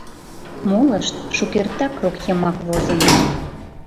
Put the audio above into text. Молышт шукертак рок йымак возыныт.